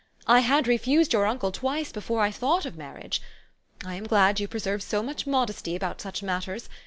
I had refused your uncle twice before I thought of marriage. I am glad you preserve so much mod esty about such matters.